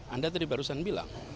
anda tadi barusan bilang